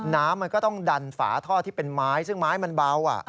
น้ำมันก็ต้องดันฝาท่อที่เป็นไม้ซึ่งไม้มันเบา